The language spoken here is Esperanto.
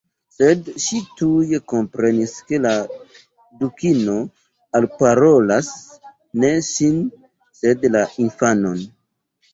Sed ŝi tuj komprenis ke la Dukino alparolas ne ŝin sed la infanon.